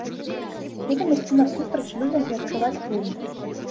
Будзем ісці насустрач людзям і адкрываць клуб.